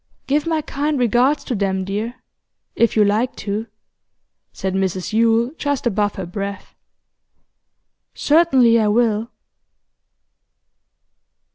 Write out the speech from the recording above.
'Give my kind regards to them, dear if you like to,' said Mrs Yule just above her breath. 'Certainly I will.